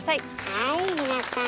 はい皆さん